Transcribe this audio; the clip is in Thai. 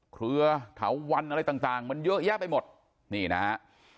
เครือเถาวันอะไรต่างมันเยอะแยะไปหมดนี่นะฮะ